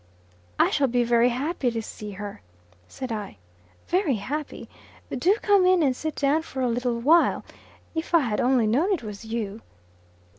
"I shall be very happy to see her," said I, "very happy. Do come in and sit down for a little while. If I had only known it was you."